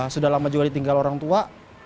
sudah lama juga ditinggal orang tua